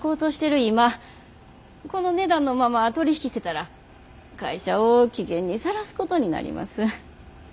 今この値段のまま取り引きしてたら会社を危険にさらすことになります。